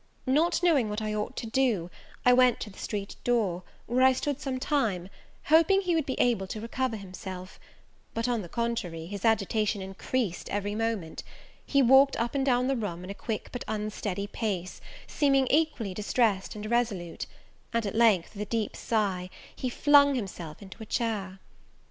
Not knowing what I ought to do, I went to the street door, where I stood some time, hoping he would be able to recover himself; but, on the contrary, his agitation increased every moment; he walked up and down the room in a quick but unsteady pace, seeming equally distressed and irresolute; and, at length, with a deep sigh, he flung himself into a chair.